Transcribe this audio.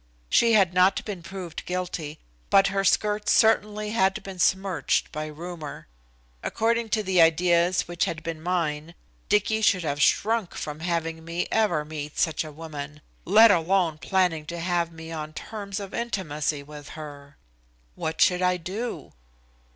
She had not been proved guilty, but her skirts certainly had been smirched by rumor. According to the ideas which had been mine, Dicky should have shrunk from having me ever meet such a woman, let alone planning to have me on terms of intimacy with her. What should I do?